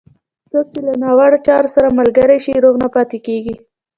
څوک چې له ناوړه چارو سره ملګری شي، روغ نه پاتېږي.